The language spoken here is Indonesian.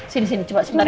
sini sini coba sebentar ya